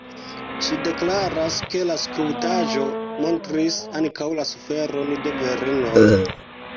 Ŝi deklaras ke la skulptaĵo montris ankaŭ la suferon de virinoj.